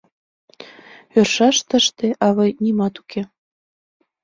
— Ӧршаш тыште, авый, нимат уке.